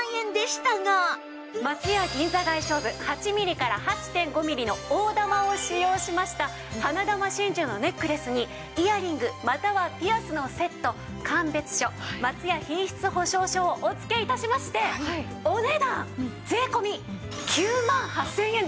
松屋銀座外商部８ミリから８．５ミリの大珠を使用しました花珠真珠のネックレスにイヤリングまたはピアスのセット鑑別書松屋品質保証書をお付け致しましてお値段税込９万８０００円です。